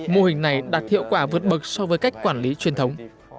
mô hình này đạt hiệu quả vượt bậc so với cách quản lý truyền thống